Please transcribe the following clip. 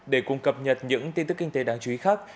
để cùng cập nhật những tin tức kinh tế đáng chú ý khác